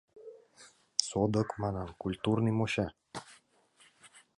— Содык, — манам, — культурный монча.